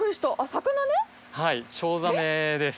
呂チョウザメです。